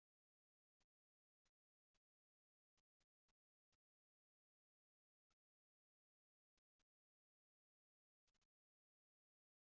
বেশ জনপ্রিয়তা পাওয়া এই ধারাবাহিক তাঁকে প্রচুর প্রশংসা পেতে সাহায্য করেছিল।